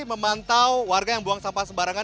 memantau warga yang buang sampah sembarangan